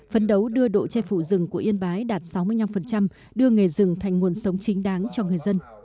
phấn đấu đưa độ che phụ rừng của yên bái đạt sáu mươi năm đưa nghề rừng thành nguồn sống chính đáng cho người dân